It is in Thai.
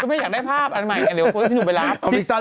คุณแม่อยากได้ภาพอันใหม่กันเลยคุณให้พี่หนูไปรับ